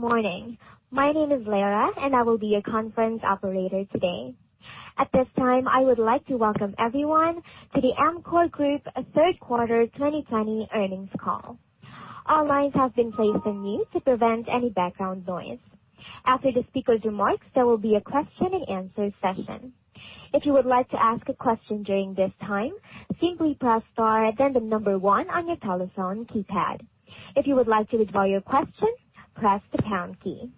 Good morning. My name is Lara, and I will be your conference operator today. At this time, I would like to welcome everyone to the Emcor Group Third Quarter 2020 Earnings Call. All lines have been placed on mute to prevent any background noise. After the speakers' remarks, there will be a question and answer session. If you would like to ask a question during this time, simply press star then the number one on your telephone keypad. If you would like to withdraw your question, press the pound key.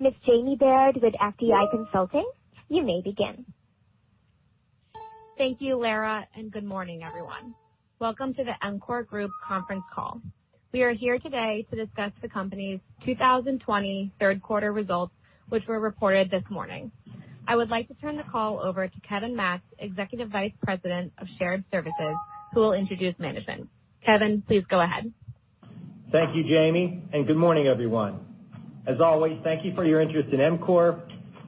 Ms. Jamie Baird with FTI Consulting, you may begin. Thank you, Lara, and good morning, everyone. Welcome to the Emcor Group conference call. We are here today to discuss the company's 2020 third quarter results, which were reported this morning. I would like to turn the call over to Kevin Matz, Executive Vice President of Shared Services, who will introduce management. Kevin, please go ahead. Thank you, Jamie, and good morning, everyone. As always, thank you for your interest in Emcor,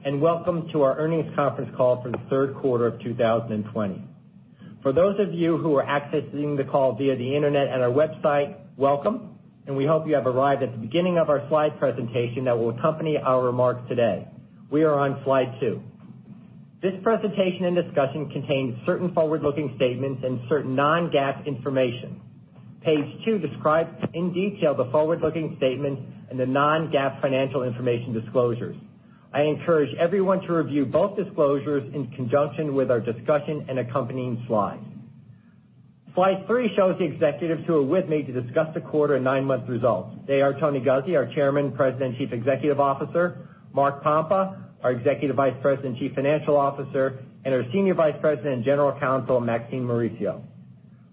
and welcome to our earnings conference call for the third quarter of 2020. For those of you who are accessing the call via the internet at our website, welcome, and we hope you have arrived at the beginning of our slide presentation that will accompany our remarks today. We are on slide two. This presentation and discussion contains certain forward-looking statements and certain non-GAAP information. Page two describes in detail the forward-looking statements and the non-GAAP financial information disclosures. I encourage everyone to review both disclosures in conjunction with our discussion and accompanying slides. Slide three shows the executives who are with me to discuss the quarter and nine-month results. They are Tony Guzzi, our Chairman, President, and Chief Executive Officer, Mark Pompa, our Executive Vice President and Chief Financial Officer, and our Senior Vice President and General Counsel, Maxine Mauricio.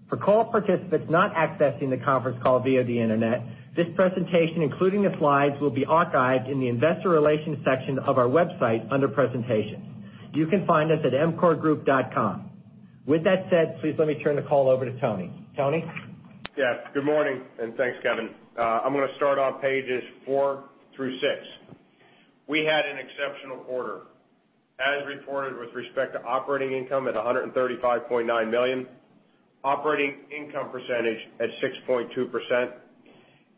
For call participants not accessing the conference call via the internet, this presentation, including the slides, will be archived in the investor relations section of our website under presentations. You can find us at emcorgroup.com. With that said, please let me turn the call over to Tony. Tony? Yeah. Good morning, and thanks, Kevin. I'm going to start on pages four through six. We had an exceptional quarter, as reported with respect to operating income at $135.9 million, operating income percentage at 6.2%,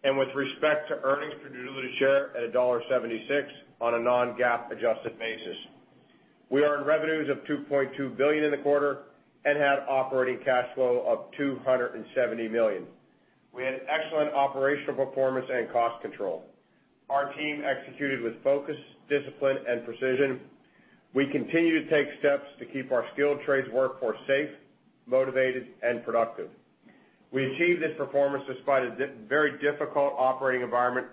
and with respect to earnings per diluted share at $1.76 on a non-GAAP adjusted basis. We earned revenues of $2.2 billion in the quarter and had operating cash flow of $270 million. We had excellent operational performance and cost control. Our team executed with focus, discipline, and precision. We continue to take steps to keep our skilled trades workforce safe, motivated, and productive. We achieved this performance despite a very difficult operating environment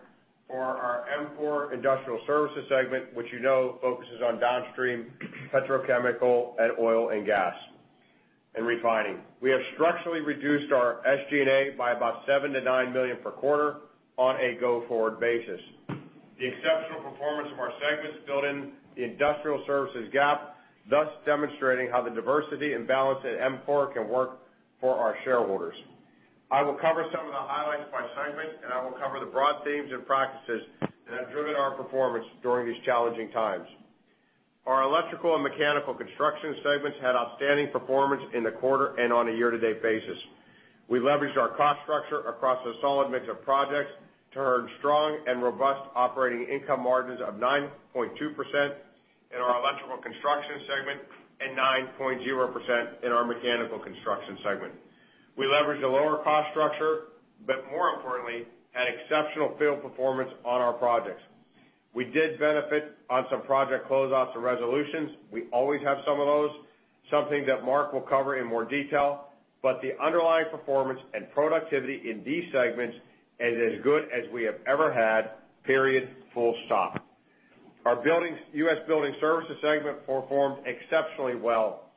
for our Emcor Industrial Services segment, which you know focuses on downstream petrochemical, and oil and gas, and refining. We have structurally reduced our SG&A by about $7 million-$9 million per quarter on a go-forward basis. The exceptional performance of our segments filled in the Industrial Services gap, thus demonstrating how the diversity and balance at Emcor can work for our shareholders. I will cover some of the highlights by segment and I will cover the broad themes and practices that have driven our performance during these challenging times. Our Electrical and Mechanical Construction segments had outstanding performance in the quarter and on a year-to-date basis. We leveraged our cost structure across a solid mix of projects to earn strong and robust operating income margins of 9.2% in our Electrical Construction segment and 9.0% in our Mechanical Construction segment. We leveraged a lower cost structure, but more importantly, had exceptional field performance on our projects. We did benefit on some project closeouts and resolutions. We always have some of those, something that Mark will cover in more detail, but the underlying performance and productivity in these segments is as good as we have ever had, period, full stop. Our U.S. Building Services segment performed exceptionally well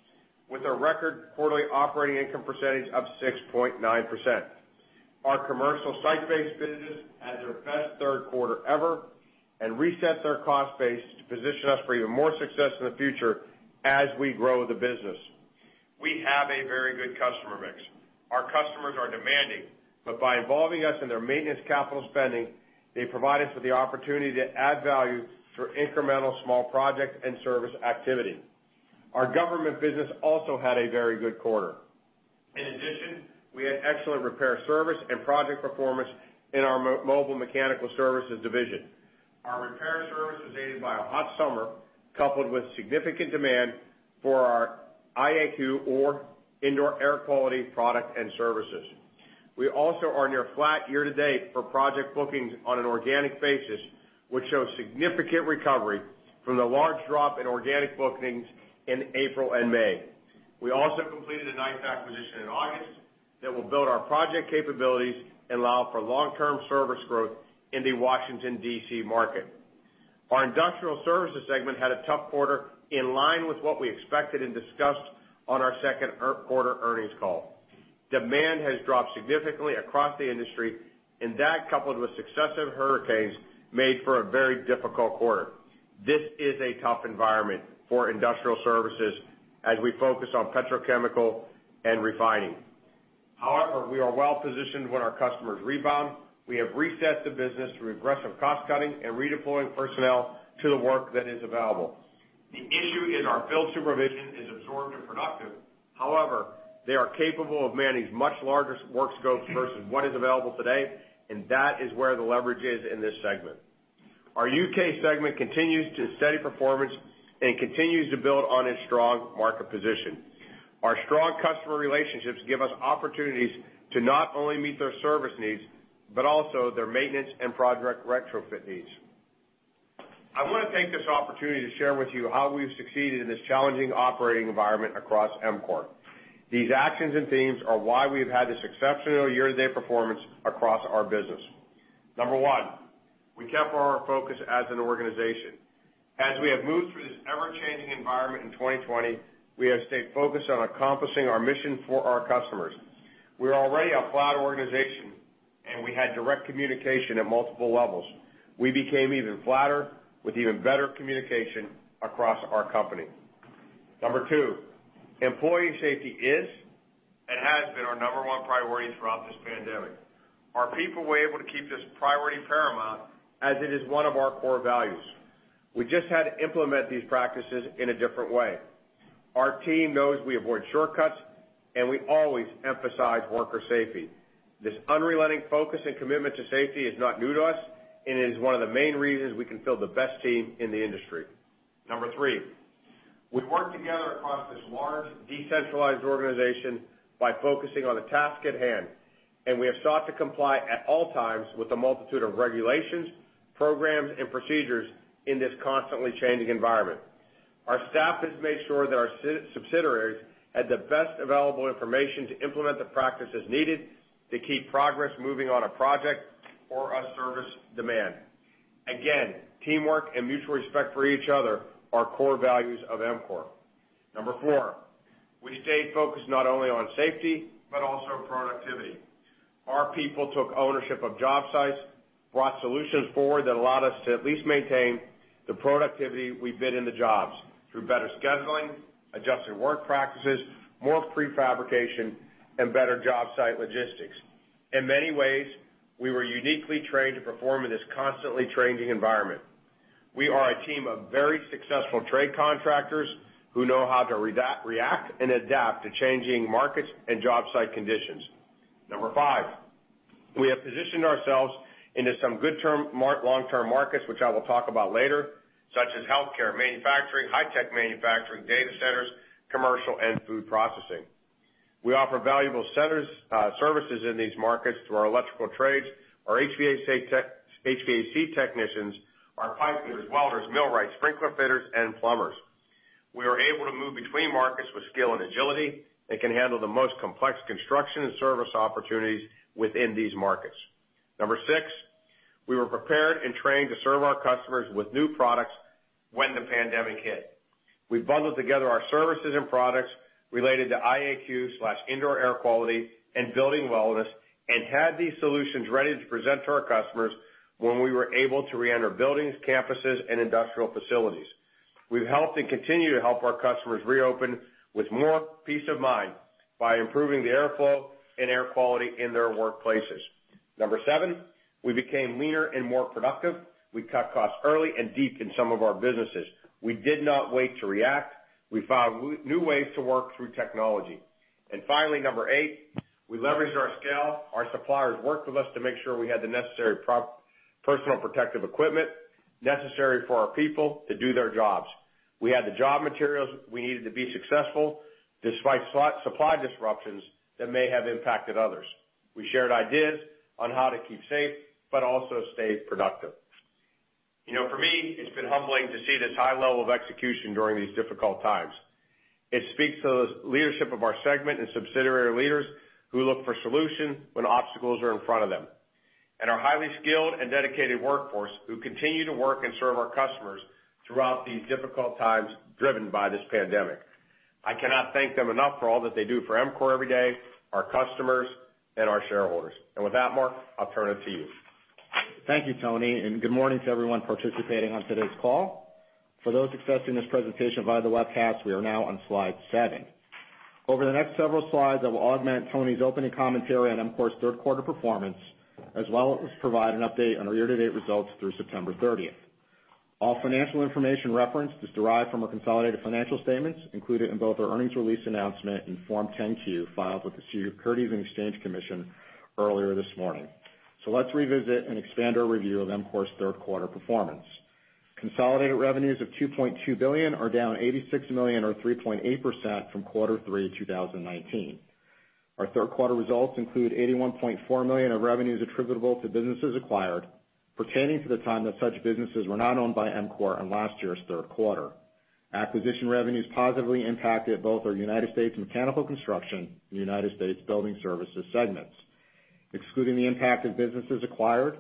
with a record quarterly operating income percentage of 6.9%. Our commercial site-based businesses had their best third quarter ever and reset their cost base to position us for even more success in the future as we grow the business. We have a very good customer mix. Our customers are demanding, but by involving us in their maintenance capital spending, they provide us with the opportunity to add value through incremental small project and service activity. Our government business also had a very good quarter. In addition, we had excellent repair service and project performance in our Mobile Mechanical Services division. Our repair service was aided by a hot summer, coupled with significant demand for our IAQ or indoor air quality product and services. We also are near flat year to date for project bookings on an organic basis, which shows significant recovery from the large drop in organic bookings in April and May. We also completed an IFAC acquisition in August that will build our project capabilities and allow for long-term service growth in the Washington, D.C. market. Our Industrial Services segment had a tough quarter in line with what we expected and discussed on our second quarter earnings call. Demand has dropped significantly across the industry, and that, coupled with successive hurricanes, made for a very difficult quarter. This is a tough environment for Industrial Services as we focus on petrochemical and refining. However, we are well-positioned when our customers rebound. We have reset the business through aggressive cost-cutting and redeploying personnel to the work that is available. The issue is our field supervision is absorbed and productive. However, they are capable of manning as much larger work scopes versus what is available today, and that is where the leverage is in this segment. Our U.K. segment continues to steady performance and continues to build on its strong market position. Our strong customer relationships give us opportunities to not only meet their service needs, but also their maintenance and project retrofit needs. I want to take this opportunity to share with you how we've succeeded in this challenging operating environment across Emcor. These actions and themes are why we've had this exceptional year-to-date performance across our business. Number one, we kept our focus as an organization. As we have moved through this ever-changing environment in 2020, we have stayed focused on accomplishing our mission for our customers. We're already a flat organization and we had direct communication at multiple levels. We became even flatter with even better communication across our company. Number two, employee safety is and has been our number one priority throughout this pandemic. Our people were able to keep this priority paramount as it is one of our core values. We just had to implement these practices in a different way. Our team knows we avoid shortcuts and we always emphasize worker safety. This unrelenting focus and commitment to safety is not new to us and is one of the main reasons we can build the best team in the industry. Number three, we've worked together across this large, decentralized organization by focusing on the task at hand, and we have sought to comply at all times with a multitude of regulations, programs, and procedures in this constantly changing environment. Our staff has made sure that our subsidiaries had the best available information to implement the practices needed to keep progress moving on a project or a service demand. Again, teamwork and mutual respect for each other are core values of Emcor. Number four, we stayed focused not only on safety, but also productivity. Our people took ownership of job sites, brought solutions forward that allowed us to at least maintain the productivity we bid in the jobs through better scheduling, adjusted work practices, more prefabrication, and better job site logistics. In many ways, we were uniquely trained to perform in this constantly changing environment. We are a team of very successful trade contractors who know how to react and adapt to changing markets and job site conditions. Number five, we have positioned ourselves into some good long-term markets, which I will talk about later, such as healthcare, manufacturing, high-tech manufacturing, data centers, commercial, and food processing. We offer valuable services in these markets through our electrical trades, our HVAC technicians, our pipe fitters, welders, millwrights, sprinkler fitters, and plumbers. We are able to move between markets with skill and agility and can handle the most complex construction and service opportunities within these markets. Number six, we were prepared and trained to serve our customers with new products when the pandemic hit. We bundled together our services and products related to IAQ/indoor air quality and building wellness and had these solutions ready to present to our customers when we were able to reenter buildings, campuses, and industrial facilities. We've helped and continue to help our customers reopen with more peace of mind by improving the airflow and air quality in their workplaces. Number seven, we became leaner and more productive. We cut costs early and deep in some of our businesses. We did not wait to react. We found new ways to work through technology. Finally, number eight, we leveraged our scale. Our suppliers worked with us to make sure we had the necessary personal protective equipment necessary for our people to do their jobs. We had the job materials we needed to be successful despite supply disruptions that may have impacted others. We shared ideas on how to keep safe, but also stay productive. For me, it's been humbling to see this high level of execution during these difficult times. It speaks to the leadership of our segment and subsidiary leaders who look for solutions when obstacles are in front of them, and our highly skilled and dedicated workforce who continue to work and serve our customers throughout these difficult times driven by this pandemic. I cannot thank them enough for all that they do for Emcor every day, our customers, and our shareholders, and with that, Mark, I'll turn it to you. Thank you, Tony, and good morning to everyone participating on today's call. For those accessing this presentation via the webcast, we are now on slide seven. Over the next several slides, I will augment Tony's opening commentary on Emcor's third quarter performance, as well as provide an update on our year-to-date results through September 30th. All financial information referenced is derived from our consolidated financial statements included in both our earnings release announcement and Form 10-Q filed with the Securities and Exchange Commission earlier this morning. Let's revisit and expand our review of EMCOR's third quarter performance. Consolidated revenues of $2.2 billion are down $86 million or 3.8% from quarter three 2019. Our third quarter results include $81.4 million of revenues attributable to businesses acquired pertaining to the time that such businesses were not owned by Emcor in last year's third quarter. Acquisition revenues positively impacted both our United States Mechanical Construction and United States Building Services segments. Excluding the impact of businesses acquired,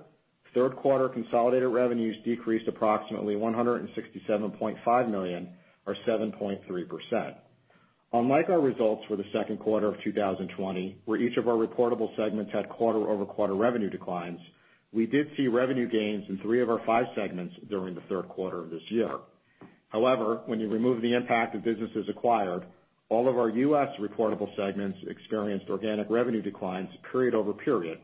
third quarter consolidated revenues decreased approximately $167.5 million or 7.3%. Unlike our results for the second quarter of 2020, where each of our reportable segments had quarter-over-quarter revenue declines, we did see revenue gains in three of our five segments during the third quarter of this year. However, when you remove the impact of businesses acquired, all of our U.S. reportable segments experienced organic revenue declines period over period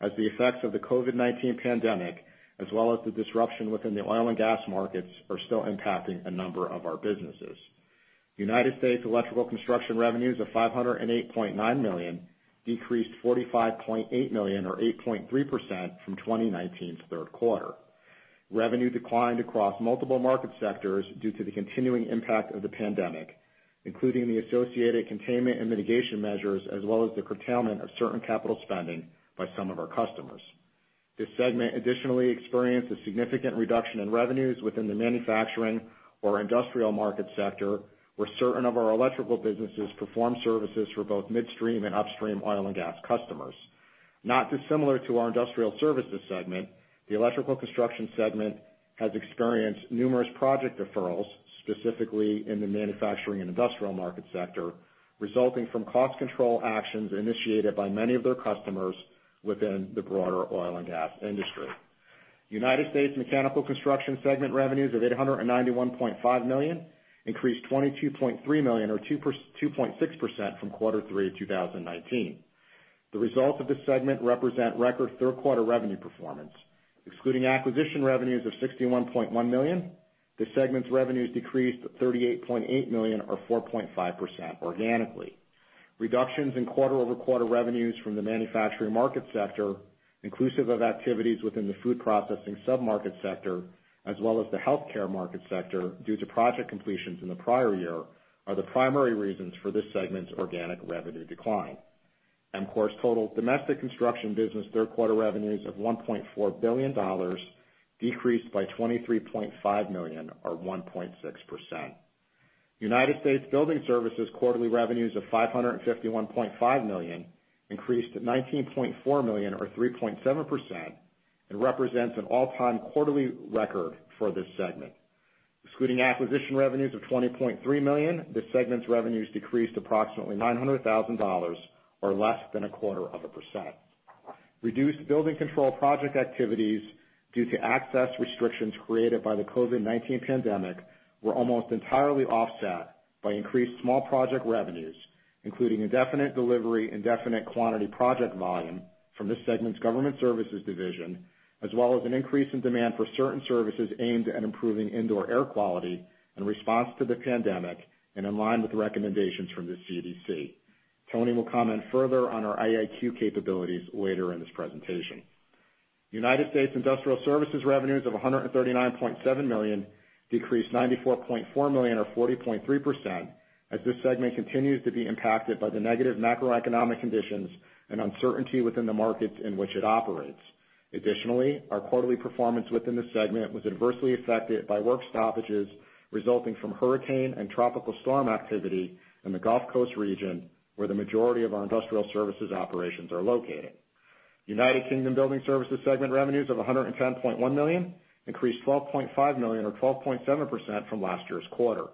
as the effects of the COVID-19 pandemic as well as the disruption within the oil and gas markets are still impacting a number of our businesses. United States Electrical Construction revenues of $508.9 million decreased $45.8 million or 8.3% from 2019's third quarter. Revenue declined across multiple market sectors due to the continuing impact of the pandemic, including the associated containment and mitigation measures, as well as the curtailment of certain capital spending by some of our customers. This segment additionally experienced a significant reduction in revenues within the manufacturing or industrial market sector, where certain of our electrical businesses perform services for both midstream and upstream oil and gas customers. Not dissimilar to our industrial services segment, the electrical construction segment has experienced numerous project deferrals, specifically in the manufacturing and industrial market sector, resulting from cost control actions initiated by many of their customers within the broader oil and gas industry. United States Mechanical Construction segment revenues of $891.5 million increased $22.3 million or 2.6% from quarter three of 2019. The results of this segment represent record third quarter revenue performance. Excluding acquisition revenues of $61.1 million, this segment's revenues decreased $38.8 million or 4.5% organically. Reductions in quarter-over-quarter revenues from the manufacturing market sector, inclusive of activities within the food processing sub-market sector, as well as the healthcare market sector due to project completions in the prior year, are the primary reasons for this segment's organic revenue decline. Emcor's total domestic construction business third quarter revenues of $1.4 billion decreased by $23.5 million or 1.6%. United States Building Services quarterly revenues of $551.5 million increased to $19.4 million or 3.7% and represents an all-time quarterly record for this segment. Excluding acquisition revenues of $20.3 million, this segment's revenues decreased approximately $900,000 or less than a quarter of a percent. Reduced building control project activities due to access restrictions created by the COVID-19 pandemic were almost entirely offset by increased small project revenues, including indefinite delivery, indefinite quantity project volume from this segment's government services division, as well as an increase in demand for certain services aimed at improving indoor air quality in response to the pandemic and in line with the recommendations from the CDC. Tony will comment further on our IAQ capabilities later in this presentation. United States Industrial Services revenues of $139.7 million decreased $94.4 million or 40.3% as this segment continues to be impacted by the negative macroeconomic conditions and uncertainty within the markets in which it operates. Additionally, our quarterly performance within this segment was adversely affected by work stoppages resulting from hurricane and tropical storm activity in the Gulf Coast region, where the majority of our industrial services operations are located. United Kingdom Building Services segment revenues of $110.1 million increased $12.5 million or 12.7% from last year's quarter.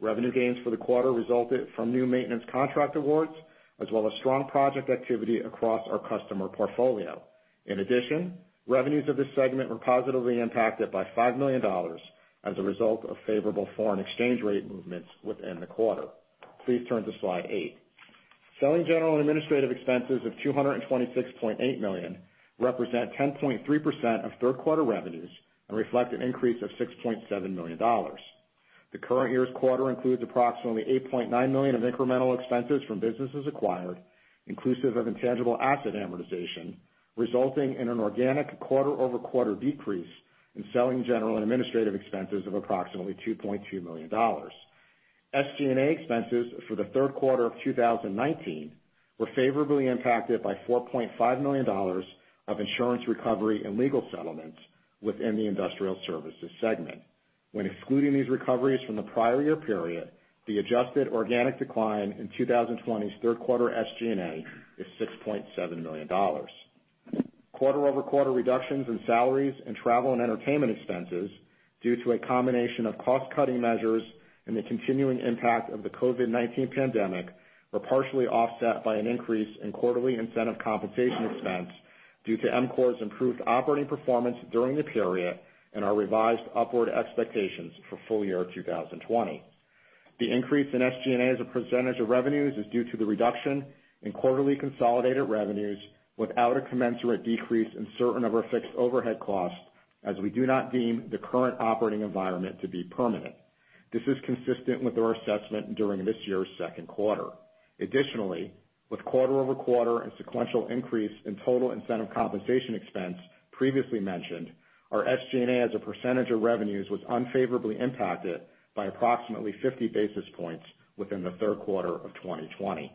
Revenue gains for the quarter resulted from new maintenance contract awards as well as strong project activity across our customer portfolio. In addition, revenues of this segment were positively impacted by $5 million as a result of favorable foreign exchange rate movements within the quarter. Please turn to slide eight. Selling general and administrative expenses of $226.8 million represent 10.3% of third quarter revenues and reflect an increase of $6.7 million. The current year's quarter includes approximately $8.9 million of incremental expenses from businesses acquired, inclusive of intangible asset amortization, resulting in an organic quarter-over-quarter decrease in selling general and administrative expenses of approximately $2.2 million. SG&A expenses for the third quarter of 2019 were favorably impacted by $4.5 million of insurance recovery and legal settlements within the Industrial Services segment. When excluding these recoveries from the prior year period, the adjusted organic decline in 2020's third quarter SG&A is $6.7 million. Quarter-over-quarter reductions in salaries and travel and entertainment expenses due to a combination of cost-cutting measures and the continuing impact of the COVID-19 pandemic were partially offset by an increase in quarterly incentive compensation expense due to EMCOR's improved operating performance during the period and our revised upward expectations for full year 2020. The increase in SG&A as a percentage of revenues is due to the reduction in quarterly consolidated revenues without a commensurate decrease in certain of our fixed overhead costs as we do not deem the current operating environment to be permanent. This is consistent with our assessment during this year's second quarter. Additionally, with quarter-over-quarter and sequential increase in total incentive compensation expense previously mentioned, our SG&A as a percentage of revenues was unfavorably impacted by approximately 50 basis points within the third quarter of 2020.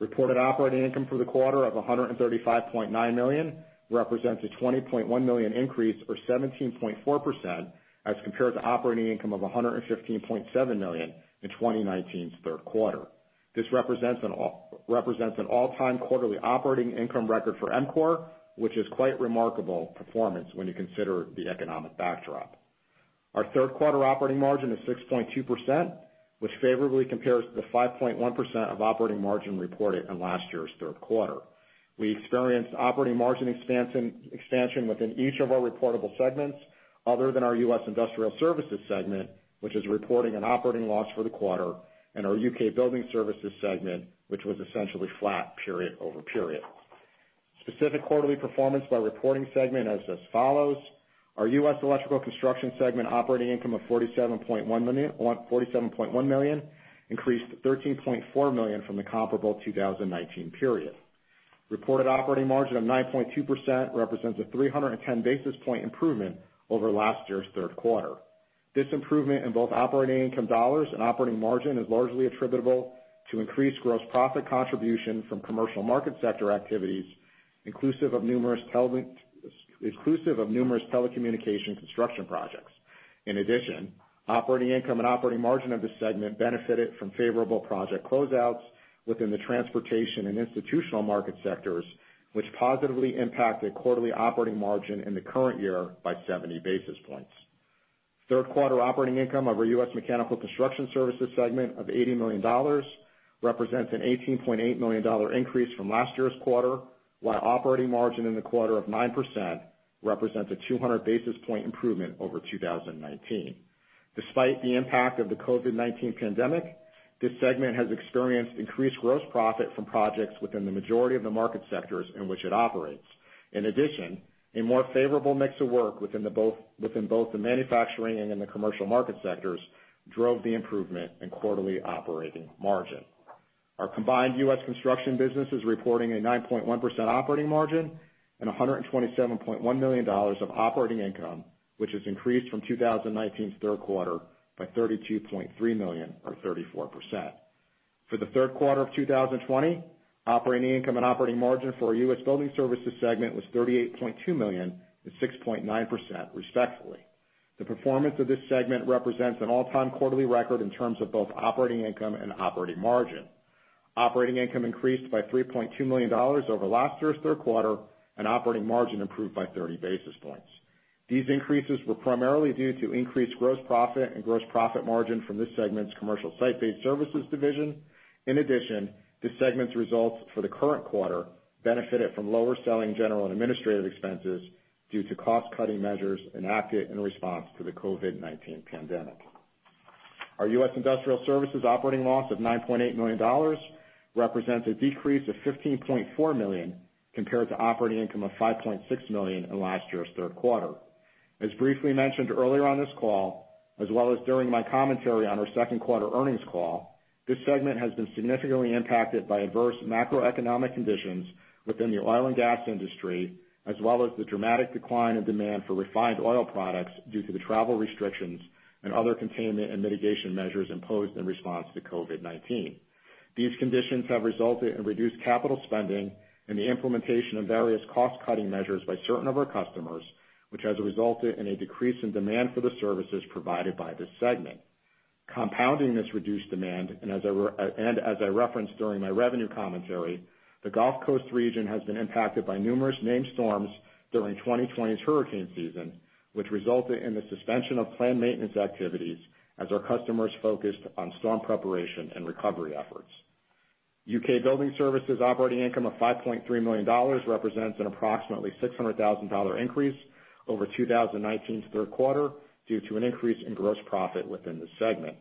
Reported operating income for the quarter of $135.9 million represents a $20.1 million increase or 17.4% as compared to operating income of $115.7 million in 2019's third quarter. This represents an all-time quarterly operating income record for Emcor, which is quite remarkable performance when you consider the economic backdrop. Our third quarter operating margin is 6.2%, which favorably compares to the 5.1% of operating margin reported in last year's third quarter. We experienced operating margin expansion within each of our reportable segments other than our U.S. Industrial Services segment, which is reporting an operating loss for the quarter, and our U.K. Building Services segment, which was essentially flat period over period. Specific quarterly performance by reporting segment is as follows: our U.S. Electrical Construction segment operating income of $47.1 million increased $13.4 million from the comparable 2019 period. Reported operating margin of 9.2% represents a 310 basis point improvement over last year's third quarter. This improvement in both operating income dollars and operating margin is largely attributable to increased gross profit contribution from commercial market sector activities, inclusive of numerous telecommunication construction projects. In addition, operating income and operating margin of this segment benefited from favorable project closeouts within the transportation and institutional market sectors, which positively impacted quarterly operating margin in the current year by 70 basis points. Third quarter operating income of our U.S. Mechanical Construction segment of $80 million represents an $18.8 million increase from last year's quarter, while operating margin in the quarter of 9% represents a 200 basis point improvement over 2019. Despite the impact of the COVID-19 pandemic, this segment has experienced increased gross profit from projects within the majority of the market sectors in which it operates. In addition, a more favorable mix of work within both the manufacturing and in the commercial market sectors drove the improvement in quarterly operating margin. Our combined U.S. construction business is reporting a 9.1% operating margin and $127.1 million of operating income, which has increased from 2019's third quarter by $32.3 million or 34%. For the third quarter of 2020, operating income and operating margin for our U.S. Building Services segment was $38.2 million and 6.9%, respectively. The performance of this segment represents an all-time quarterly record in terms of both operating income and operating margin. Operating income increased by $3.2 million over last year's third quarter, and operating margin improved by 30 basis points. These increases were primarily due to increased gross profit and gross profit margin from this segment's commercial site-based services division. In addition, this segment's results for the current quarter benefited from lower selling general and administrative expenses due to cost-cutting measures enacted in response to the COVID-19 pandemic. Our U.S. Industrial Services operating loss of $9.8 million represents a decrease of $15.4 million compared to operating income of $5.6 million in last year's third quarter. As briefly mentioned earlier on this call, as well as during my commentary on our second quarter earnings call, this segment has been significantly impacted by adverse macroeconomic conditions within the oil and gas industry, as well as the dramatic decline in demand for refined oil products due to the travel restrictions and other containment and mitigation measures imposed in response to COVID-19. These conditions have resulted in reduced capital spending and the implementation of various cost-cutting measures by certain of our customers, which has resulted in a decrease in demand for the services provided by this segment. Compounding this reduced demand, and as I referenced during my revenue commentary, the Gulf Coast region has been impacted by numerous named storms during 2020's hurricane season, which resulted in the suspension of planned maintenance activities as our customers focused on storm preparation and recovery efforts. U.K. Building Services operating income of $5.3 million represents an approximately $600,000 increase over 2019's third quarter due to an increase in gross profit within the segment.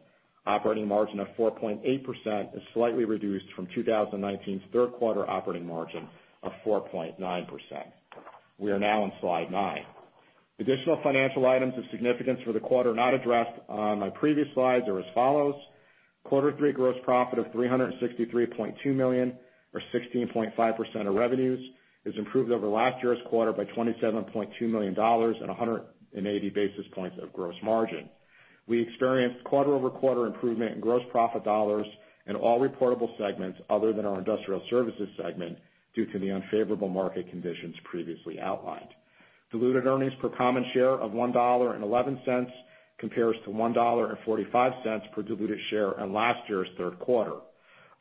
Operating margin of 4.8% is slightly reduced from 2019's third quarter operating margin of 4.9% and we are now on slide nine. Additional financial items of significance for the quarter not addressed on my previous slides are as follows. Quarter three gross profit of $363.2 million or 16.5% of revenues is improved over last year's quarter by $27.2 million and 180 basis points of gross margin. We experienced quarter-over-quarter improvement in gross profit dollars in all reportable segments other than our Industrial Services segment due to the unfavorable market conditions previously outlined. Diluted earnings per common share of $1.11 compares to $1.45 per diluted share in last year's third quarter.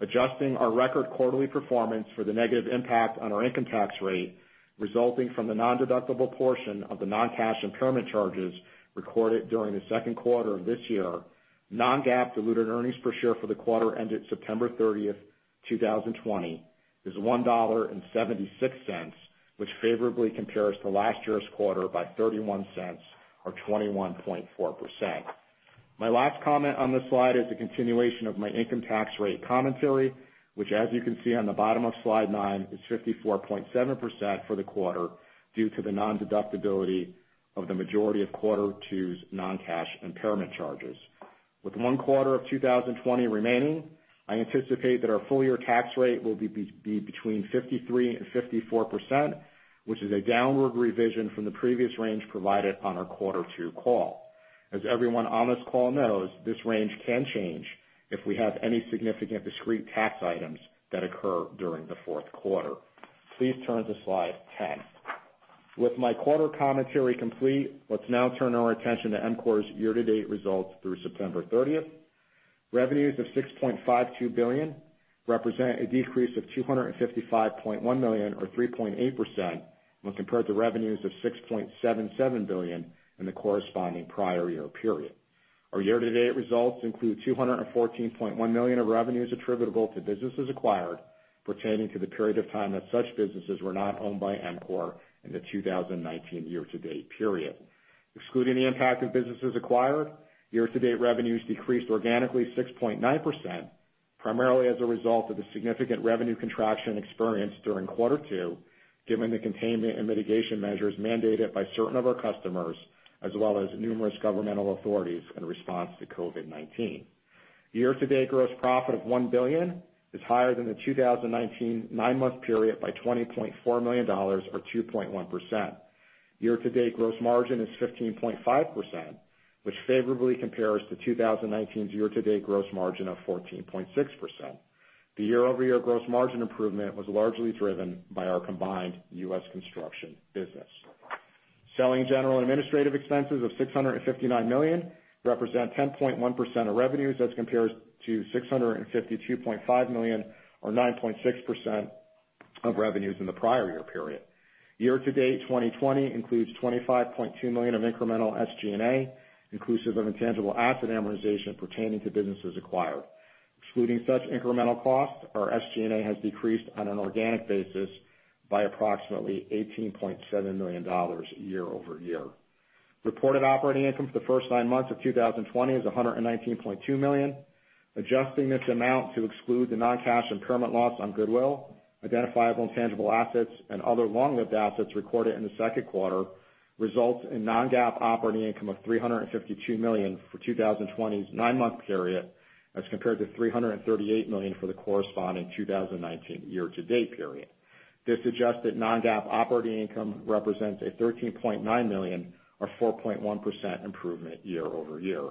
Adjusting our record quarterly performance for the negative impact on our income tax rate, resulting from the non-deductible portion of the non-cash impairment charges recorded during the second quarter of this year, non-GAAP diluted earnings per share for the quarter ended September 30 of 2020 is $1.76, which favorably compares to last year's quarter by $0.31 or 21.4%. My last comment on this slide is the continuation of my income tax rate commentary, which as you can see on the bottom of slide nine, is 54.7% for the quarter due to the non-deductibility of the majority of quarter two's non-cash impairment charges. With one quarter of 2020 remaining, I anticipate that our full-year tax rate will be between 53% and 54%, which is a downward revision from the previous range provided on our quarter two call. As everyone on this call knows, this range can change if we have any significant discrete tax items that occur during the fourth quarter. Please turn to slide 10. With my quarter commentary complete, let's now turn our attention to Emcor's year-to-date results through September 30th. Revenues of $6.52 billion represent a decrease of $255.1 million or 3.8% when compared to revenues of $6.77 billion in the corresponding prior year period. Our year-to-date results include $214.1 million of revenues attributable to businesses acquired pertaining to the period of time that such businesses were not owned by Emcor in the 2019 year-to-date period. Excluding the impact of businesses acquired, year-to-date revenues decreased organically 6.9%. Primarily as a result of the significant revenue contraction experienced during quarter two, given the containment and mitigation measures mandated by certain of our customers, as well as numerous governmental authorities in response to COVID-19. Year-to-date gross profit of $1 billion is higher than the 2019 nine-month period by $20.4 million or 2.1%. Year-to-date gross margin is 15.5%, which favorably compares to 2019's year-to-date gross margin of 14.6%. The year-over-year gross margin improvement was largely driven by our combined U.S. construction business. Selling general administrative expenses of $659 million represent 10.1% of revenues as compared to $652.5 million or 9.6% of revenues in the prior year period. Year-to-date 2020 includes $25.2 million of incremental SG&A, inclusive of intangible asset amortization pertaining to businesses acquired. Excluding such incremental costs, our SG&A has decreased on an organic basis by approximately $18.7 million year-over-year. Reported operating income for the first nine months of 2020 is $119.2 million. Adjusting this amount to exclude the non-cash impairment loss on goodwill, identifiable intangible assets, and other long-lived assets recorded in the second quarter, results in non-GAAP operating income of $352 million for 2020's nine-month period as compared to $338 million for the corresponding 2019 year-to-date period. This adjusted non-GAAP operating income represents a $13.9 million or 4.1% improvement year-over-year.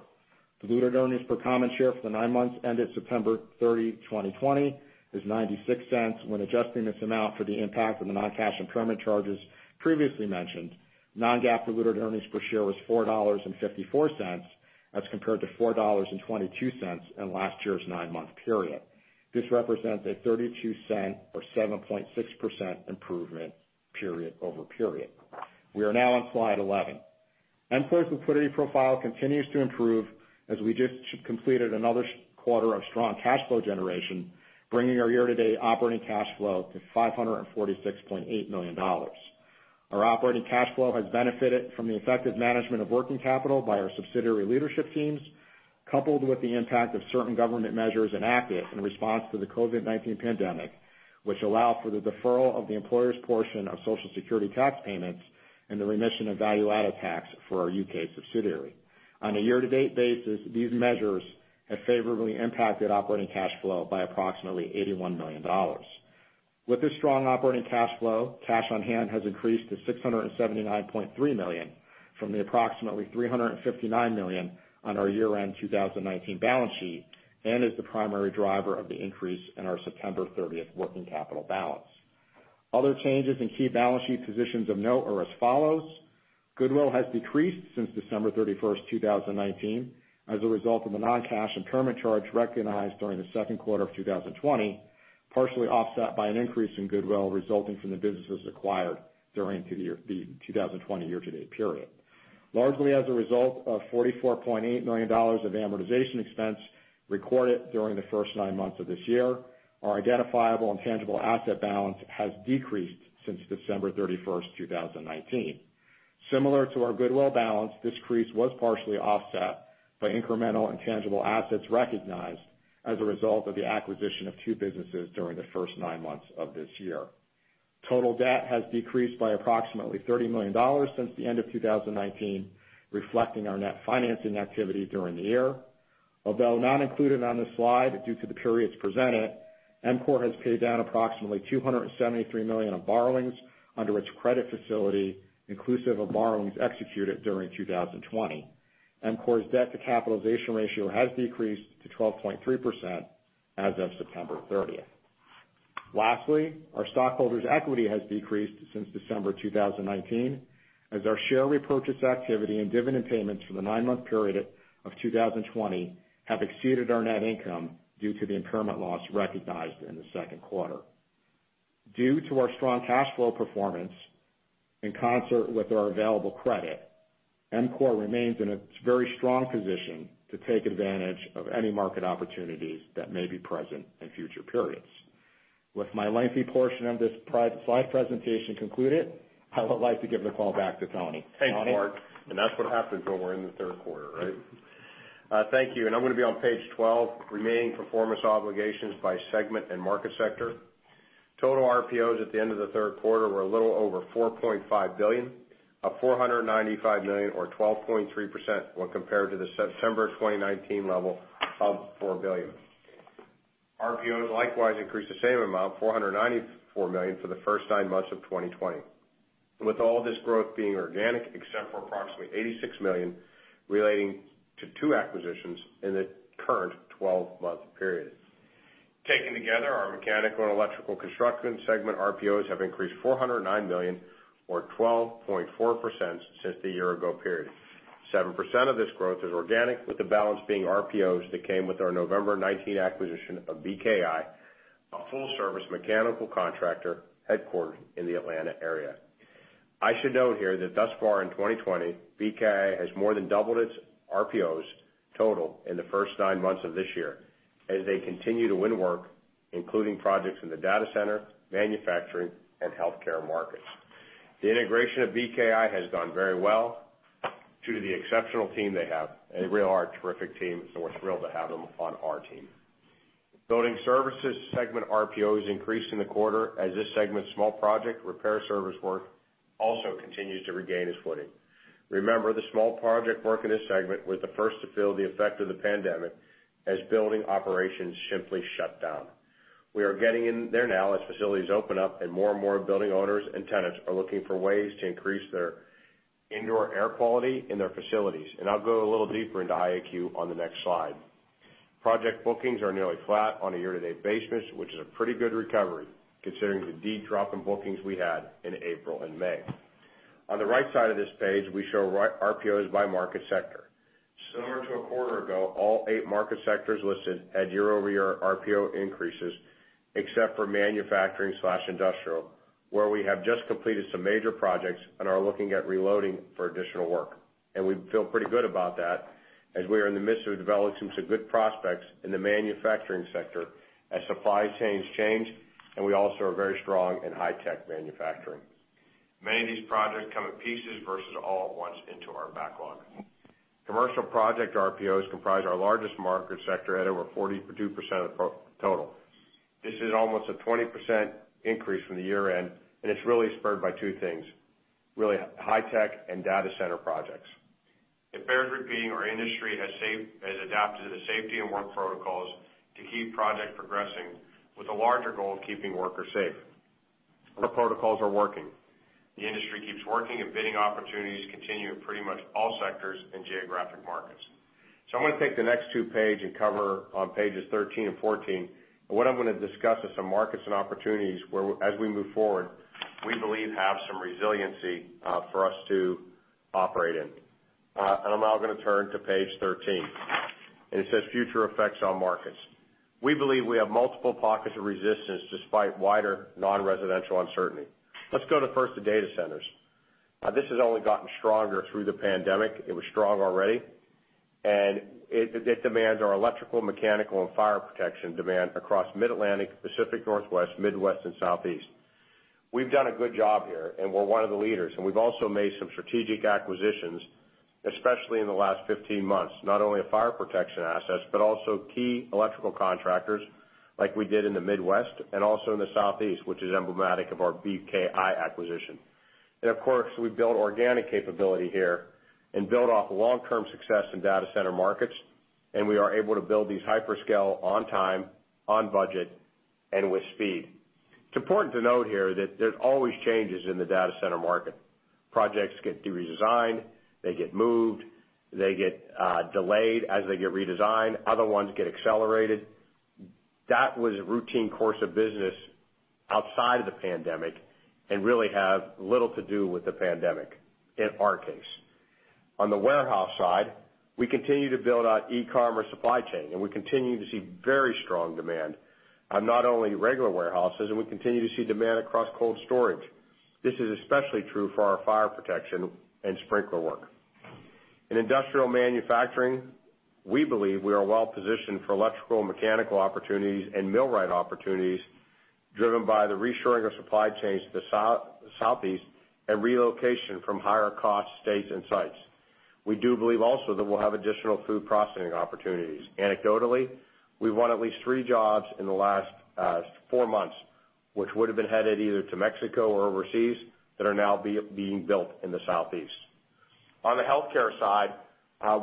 Diluted earnings per common share for the nine months ended September 30, 2020 is $0.96 when adjusting this amount for the impact of the non-cash impairment charges previously mentioned. Non-GAAP diluted earnings per share was $4.54 as compared to $4.22 in last year's nine-month period. This represents a $0.32 or 7.6% improvement period-over-period. We are now on slide 11. Emcor's liquidity profile continues to improve as we just completed another quarter of strong cash flow generation, bringing our year-to-date operating cash flow to $546.8 million. Our operating cash flow has benefited from the effective management of working capital by our subsidiary leadership teams, coupled with the impact of certain government measures enacted in response to the COVID-19 pandemic, which allow for the deferral of the employer's portion of Social Security tax payments and the remission of value added tax for our U.K. subsidiary. On a year-to-date basis, these measures have favorably impacted operating cash flow by approximately $81 million. With this strong operating cash flow, cash on hand has increased to $679.3 million from the approximately $359 million on our year-end 2019 balance sheet and is the primary driver of the increase in our September 30th working capital balance. Other changes in key balance sheet positions of note are as follows. Goodwill has decreased since December 31st, 2019 as a result of a non-cash impairment charge recognized during the second quarter of 2020, partially offset by an increase in goodwill resulting from the businesses acquired during the 2020 year-to-date period. Largely as a result of $44.8 million of amortization expense recorded during the first nine months of this year, our identifiable intangible asset balance has decreased since December 31st, 2019. Similar to our goodwill balance, this decrease was partially offset by incremental intangible assets recognized as a result of the acquisition of two businesses during the first nine months of this year. Total debt has decreased by approximately $30 million since the end of 2019, reflecting our net financing activity during the year. Although not included on this slide due to the periods presented, Emcor has paid down approximately $273 million of borrowings under its credit facility, inclusive of borrowings executed during 2020. Emcor's debt to capitalization ratio has decreased to 12.3% as of September 30th. Lastly, our stockholders' equity has decreased since December 2019 as our share repurchase activity and dividend payments for the nine-month period of 2020 have exceeded our net income due to the impairment loss recognized in the second quarter. Due to our strong cash flow performance, in concert with our available credit, Emcor remains in a very strong position to take advantage of any market opportunities that may be present in future periods. With my lengthy portion of this slide presentation concluded, I would like to give the call back to Tony. Tony? Thanks, Mark, that's what happens when we're in the third quarter, right? Thank you, I'm going to be on page 12, Remaining Performance Obligations by segment and market sector. Total RPOs at the end of the third quarter were a little over $4.5 billion, up $495 million or 12.3% when compared to the September 2019 level of $4 billion. RPOs likewise increased the same amount, $494 million for the first nine months of 2020. With all this growth being organic except for approximately $86 million relating to two acquisitions in the current 12-month period. Taken together, our mechanical and electrical construction segment RPOs have increased $409 million or 12.4% since the year ago period. 7% of this growth is organic, with the balance being RPOs that came with our November 2019 acquisition of BKI, a full-service mechanical contractor headquartered in the Atlanta area. I should note here that thus far in 2020, BKI has more than doubled its RPOs total in the first nine months of this year as they continue to win work, including projects in the data center, manufacturing, and healthcare markets. The integration of BKI has gone very well, due to the exceptional team they have. They really are a terrific team so we're thrilled to have them on our team. Building Services segment RPO has increased in the quarter as this segment's small project repair service work also continues to regain its footing. Remember, the small project work in this segment was the first to feel the effect of the pandemic as building operations simply shut down. We are getting in there now as facilities open up and more and more building owners and tenants are looking for ways to increase their Indoor Air Quality in their facilities. I'll go a little deeper into IAQ on the next slide. Project bookings are nearly flat on a year-to-date basis, which is a pretty good recovery considering the deep drop in bookings we had in April and May. On the right side of this page, we show RPOs by market sector. Similar to a quarter ago, all eight market sectors listed had year-over-year RPO increases except for manufacturing/industrial, where we have just completed some major projects and are looking at reloading for additional work. We feel pretty good about that as we are in the midst of developing some good prospects in the manufacturing sector as supply chains change, and we also are very strong in high-tech manufacturing. Many of these projects come in pieces versus all at once into our backlog. Commercial project RPOs comprise our largest market sector at over 42% of total. This is almost a 20% increase from the year-end, and it's really spurred by two things, really high tech and data center projects. It bears repeating our industry has adapted to the safety, and work protocols to keep projects progressing with the larger goal of keeping workers safe, and the protocols are working. The industry keeps working, and bidding opportunities continue in pretty much all sectors and geographic markets. I'm going to take the next two pages and cover pages 13 and 14. What I'm going to discuss is some markets and opportunities where as we move forward, we believe have some resiliency for us to operate in, and I'm now going to turn to page 13, and it says future effects on markets. We believe we have multiple pockets of resistance despite wider non-residential uncertainty. Let's go first to data centers. This has only gotten stronger through the pandemic. It was strong already, it demands our electrical, mechanical, and fire protection demand across Mid-Atlantic, Pacific Northwest, Midwest, and Southeast. We've done a good job here and we're one of the leaders. We've also made some strategic acquisitions, especially in the last 15 months, not only of fire protection assets, but also key electrical contractors like we did in the Midwest and also in the Southeast, which is emblematic of our BKI acquisition. Of course, we build organic capability here and build off long-term success in data center markets, and we are able to build these hyperscale on time, on budget, and with speed. It's important to note here that there's always changes in the data center market. Projects get redesigned, they get moved, they get delayed as they get redesigned, other ones get accelerated. That was a routine course of business outside of the pandemic and really have little to do with the pandemic in our case. On the warehouse side, we continue to build out e-commerce supply chain, and we continue to see very strong demand on not only regular warehouses, and we continue to see demand across cold storage. This is especially true for our fire protection and sprinkler work. In industrial manufacturing, we believe we are well-positioned for electrical and mechanical opportunities and mill site opportunities driven by the reshoring of supply chains to the Southeast and relocation from higher cost states and sites. We do believe also that we'll have additional food processing opportunities. Anecdotally, we've won at least three jobs in the last four months, which would've been headed either to Mexico or overseas that are now being built in the Southeast. On the healthcare side,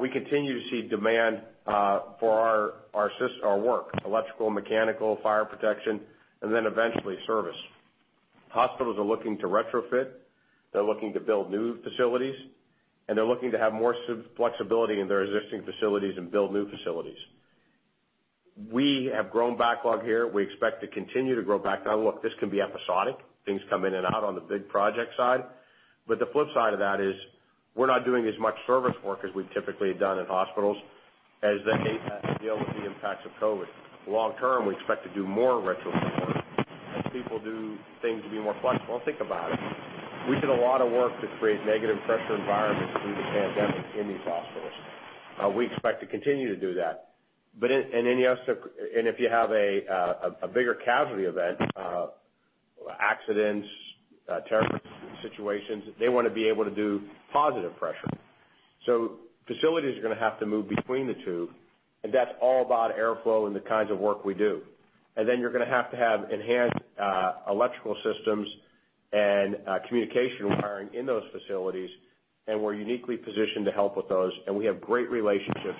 we continue to see demand for our work, electrical, mechanical, fire protection, and then eventually service. Hospitals are looking to retrofit, they're looking to build new facilities, and they're looking to have more flexibility in their existing facilities and build new facilities. We have grown backlog here. We expect to continue to grow backlog, and look, this can be episodic. Things come in and out on the big project side. The flip side of that is we're not doing as much service work as we've typically done in hospitals as they have to deal with the impacts of COVID-19. Long term, we expect to do more retro work as people do things to be more flexible. Well, think about it. We did a lot of work to create negative pressure environments through the pandemic in these hospitals. We expect to continue to do that. If you have a bigger casualty event, accidents, terrorist situations, they want to be able to do positive pressure. Facilities are going to have to move between the two, and that's all about airflow and the kinds of work we do. Then you're going to have to have enhanced electrical systems and communication wiring in those facilities, and we're uniquely positioned to help with those, and we have great relationships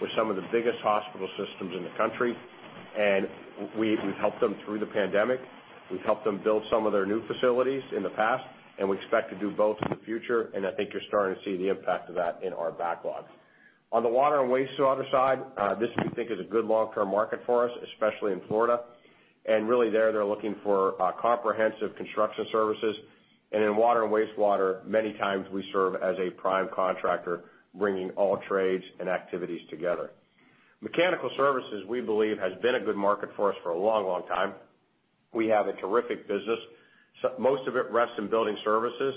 with some of the biggest hospital systems in the country. We've helped them through the pandemic. We've helped them build some of their new facilities in the past, and we expect to do both in the future. I think you're starting to see the impact of that in our backlog. On the water and wastewater side, this we think is a good long-term market for us, especially in Florida, and really there, they're looking for comprehensive construction services. In water and wastewater, many times we serve as a prime contractor bringing all trades and activities together. Mechanical services, we believe, has been a good market for us for a long, long, long time. We have a terrific business. Most of it rests in building services.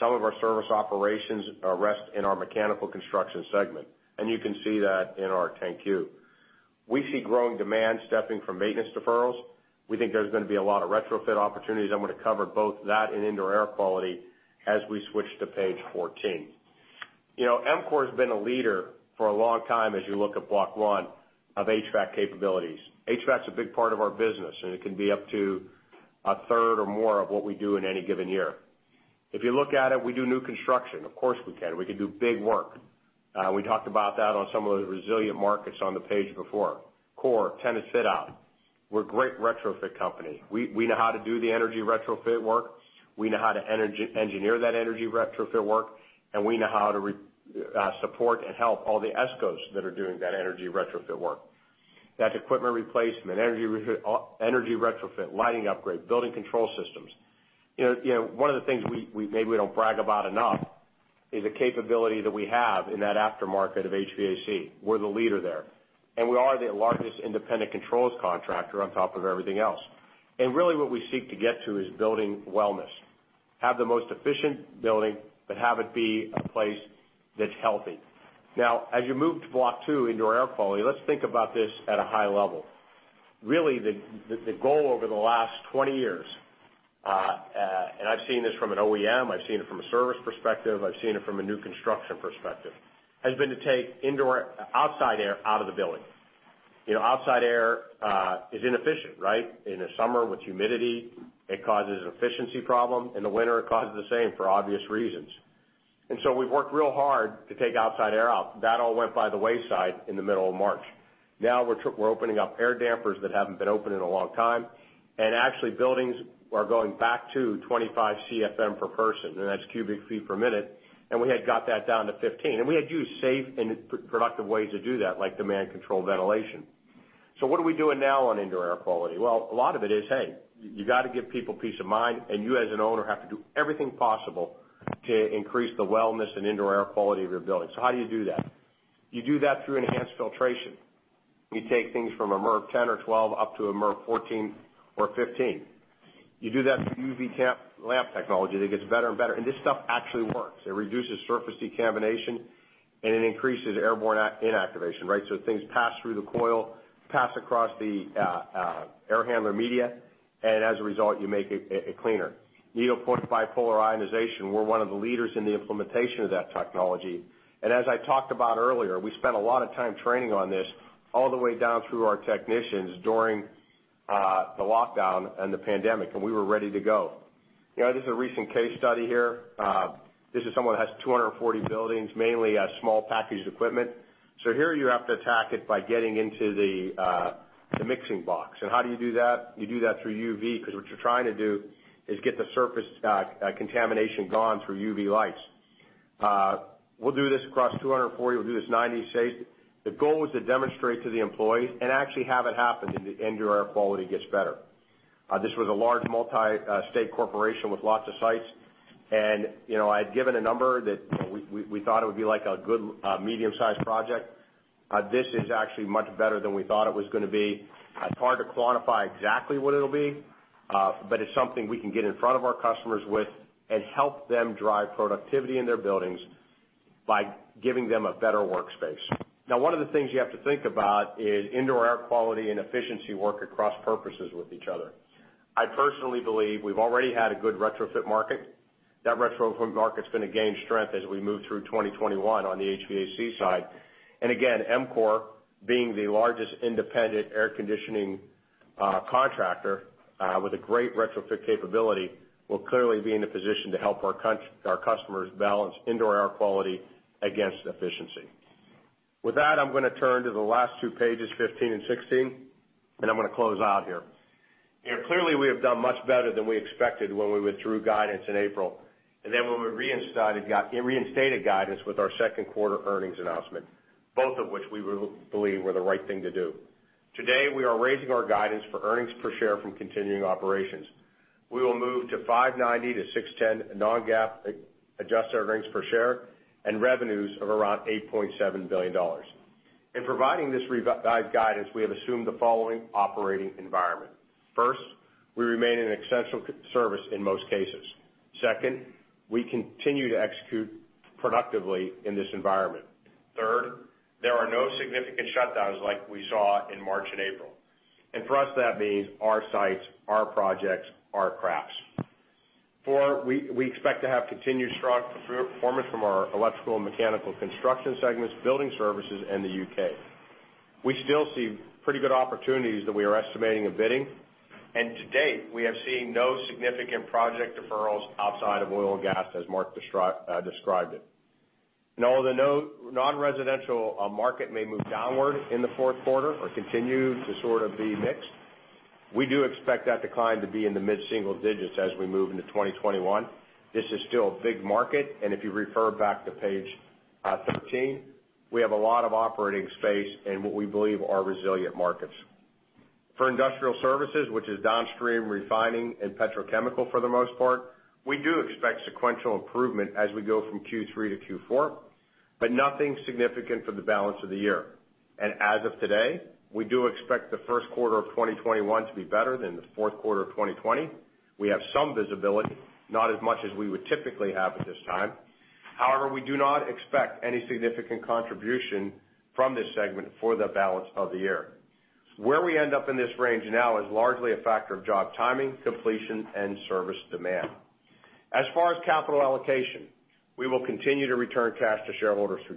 Some of our service operations rest in our mechanical construction segment. You can see that in our 10-Q. We see growing demand stepping from maintenance deferrals. We think there's going to be a lot of retrofit opportunities. I'm going to cover both that and Indoor Air Quality as we switch to page 14. Emcor has been a leader for a long time, as you look at block 1 of HVAC capabilities. HVAC is a big part of our business, and it can be up to a third or more of what we do in any given year. If you look at it, we do new construction, of course, we can. We can do big work. We talked about that on some of the resilient markets on the page before, core, tenant fit out. We're a great retrofit company. We know how to do the energy retrofit work, we know how to engineer that energy retrofit work, and we know how to support and help all the ESCOs that are doing that energy retrofit work. That's equipment replacement, energy retrofit, lighting upgrade, building control systems. One of the things maybe we don't brag about enough is the capability that we have in that aftermarket of HVAC. We're the leader there. We are the largest independent controls contractor on top of everything else, and really what we seek to get to is building wellness, have the most efficient building, but have it be a place that's healthy. As you move to block 2, Indoor Air Quality, let's think about this at a high level, and really, the goal over the last 20 years, and I've seen this from an OEM, I've seen it from a service perspective, I've seen it from a new construction perspective, has been to take outside air out of the building. Outside air is inefficient, right, in the summer with humidity, it causes efficiency problem. In the winter, it causes the same for obvious reasons. So we've worked real hard to take outside air out. That all went by the wayside in the middle of March. Now we're opening up air dampers that haven't been open in a long time. Actually, buildings are going back to 25 CFM per person, and that's cubic feet per minute, we had got that down to 15. We had used safe and productive ways to do that, like demand control ventilation. What are we doing now on indoor air quality? Well, a lot of it is, hey, you got to give people peace of mind, and you as an owner have to do everything possible to increase the wellness and indoor air quality of your building. How do you do that? You do that through enhanced filtration. You take things from a MERV 10 or 12 up to a MERV 14 or 15. You do that through UV lamp technology that gets better and better. This stuff actually works. It reduces surface decontamination, it increases airborne inactivation, right? Things pass through the coil, pass across the air handler media, and as a result, you make it cleaner. Needlepoint bipolar ionization, we're one of the leaders in the implementation of that technology. As I talked about earlier, we spent a lot of time training on this all the way down through our technicians during the lockdown and the pandemic, and we were ready to go. This is a recent case study here. This is someone that has 240 buildings, mainly small packaged equipment, so here you have to attack it by getting into the mixing box. How do you do that? You do that through UV, because what you're trying to do is get the surface contamination gone through UV lights. We'll do this across 240. We'll do this 90 safe. The goal was to demonstrate to the employee and actually have it happen, and the Indoor Air Quality gets better. This was a large multi-state corporation with lots of sites. I had given a number that we thought it would be like a good medium-sized project. This is actually much better than we thought it was going to be. It's hard to quantify exactly what it'll be, but it's something we can get in front of our customers with and help them drive productivity in their buildings by giving them a better workspace. Now, one of the things you have to think about is Indoor Air Quality and efficiency work at cross purposes with each other. I personally believe we've already had a good retrofit market. That retrofit market is going to gain strength as we move through 2021 on the HVAC side. Again, Emcor being the largest independent air conditioning contractor with a great retrofit capability will clearly be in a position to help our customers balance indoor air quality against efficiency. With that, I'm going to turn to the last two pages, 15 and 16, and I'm going to close out here. Clearly, we have done much better than we expected when we withdrew guidance in April, and then when we reinstated guidance with our second quarter earnings announcement, both of which we believe were the right thing to do. Today, we are raising our guidance for earnings per share from continuing operations. We will move to $5.90 to $6.10 non-GAAP adjusted earnings per share and revenues of around $8.7 billion. In providing this revised guidance, we have assumed the following operating environment. First, we remain an essential service in most cases. Second, we continue to execute productively in this environment. Third, there are no significant shutdowns like we saw in March and April, and for us, that means our sites, our projects, our crafts. Four, we expect to have continued strong performance from our electrical and mechanical construction segments, Building Services in the U.K. We still see pretty good opportunities that we are estimating and bidding. To date, we have seen no significant project deferrals outside of oil and gas, as Mark described it. Although the non-residential market may move downward in the fourth quarter or continue to sort of be mixed, we do expect that decline to be in the mid-single digits as we move into 2021. This is still a big market, and if you refer back to page 13, we have a lot of operating space in what we believe are resilient markets. For Industrial Services, which is downstream refining and petrochemical, for the most part, we do expect sequential improvement as we go from Q3 to Q4, but nothing significant for the balance of the year. As of today, we do expect the first quarter of 2021 to be better than the fourth quarter of 2020. We have some visibility, not as much as we would typically have at this time. However, we do not expect any significant contribution from this segment for the balance of the year. Where we end up in this range now is largely a factor of job timing, completion, and service demand. As far as capital allocation, we will continue to return cash to shareholders through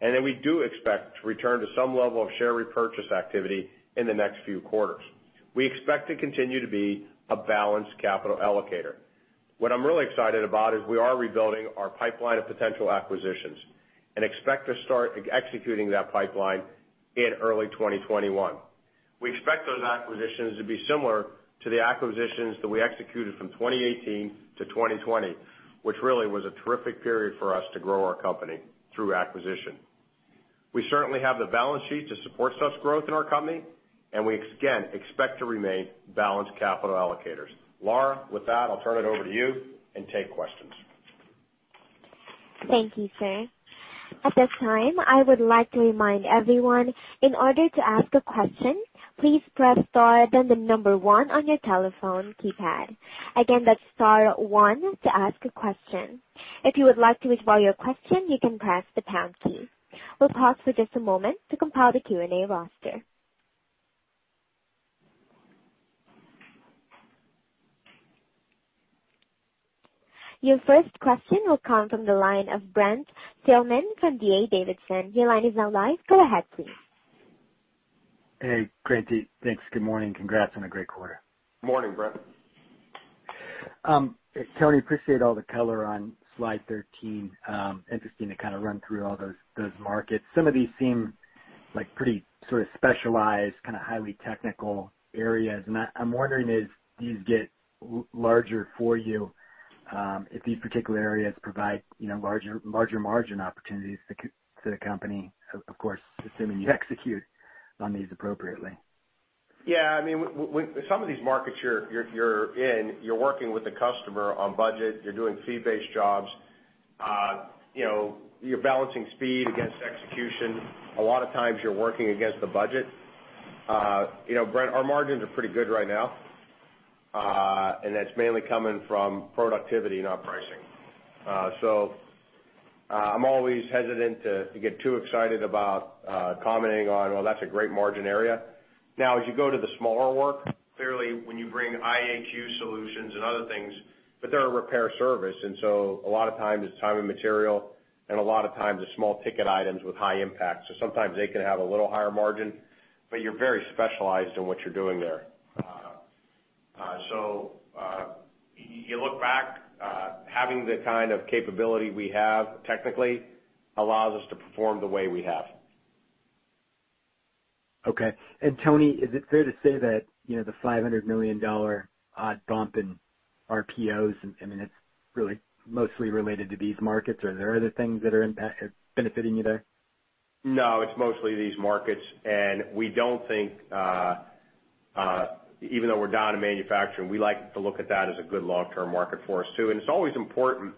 dividends, and then we do expect to return to some level of share repurchase activity in the next few quarters. We expect to continue to be a balanced capital allocator. What I'm really excited about is we are rebuilding our pipeline of potential acquisitions and expect to start executing that pipeline in early 2021. We expect those acquisitions to be similar to the acquisitions that we executed from 2018 to 2020, which really was a terrific period for us to grow our company through acquisition. We certainly have the balance sheet to support such growth in our company. We, again, expect to remain balanced capital allocators. Lara, with that, I'll turn it over to you and take questions. Thank you, sir. At this time, I would like to remind everyone, in order to ask a question, please press star then the number one on your telephone keypad. Again, that's star one to ask a question. If you would like to withdraw your question, you can press the pound key. We'll pause for just a moment to compile the Q&A roster. Your first question will come from the line of Brent Thielman from D.A. Davidson. Your line is now live. Go ahead, please. Hey, great. Thanks. Good morning. Congrats on a great quarter. Good morning, Brent. Tony, appreciate all the color on slide 13. Interesting to kind of run through all those markets. Some of these seem pretty sort of specialized, kind of highly technical areas. I'm wondering as these get larger for you, if these particular areas provide, you know, larger margin opportunities to the company, of course, assuming you execute on these appropriately. Yeah. Some of these markets you're in, you're working with a customer on budget, you're doing fee-based jobs, you know, and you're balancing speed against execution. A lot of times you're working against the budget. Brent, our margins are pretty good right now. That's mainly coming from productivity, not pricing. I'm always hesitant to get too excited about commenting on, "Well, that's a great margin area." Now, as you go to the smaller work, clearly when you bring IAQ solutions and other things, but they're a repair service, and so a lot of times it's time and material, and a lot of times it's small ticket items with high impact. Sometimes they can have a little higher margin, but you're very specialized in what you're doing there. You look back, having the kind of capability we have technically allows us to perform the way we have. Okay. Tony, is it fair to say that the $500 million odd bump in RPOs, it's really mostly related to these markets? Are there other things that are benefiting you there? No, it's mostly these markets, and we don't think, even though we're down in manufacturing, we like to look at that as a good long-term market for us, too. It's always important,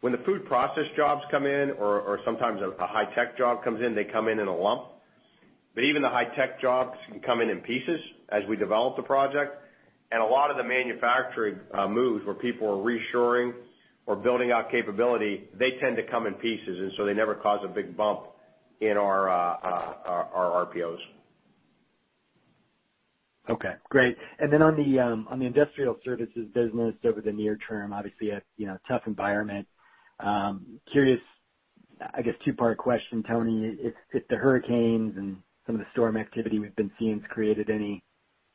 when the food process jobs come in or sometimes a high-tech job comes in, they come in in a lump. Even the high-tech jobs can come in in pieces as we develop the project, and a lot of the manufacturing moves where people are reshoring or building out capability, they tend to come in pieces. So they never cause a big bump in our RPOs. Okay, great, and then on the industrial services business over the near term, obviously a tough environment. Curious, I guess two-part question, Tony, if the hurricanes and some of the storm activity we've been seeing has created any,